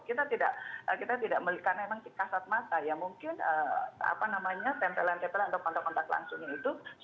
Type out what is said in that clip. kita tidak kita tidak melihat karena memang kasat mata ya mungkin apa namanya tempelan tempelan atau kontak kontak langsungnya itu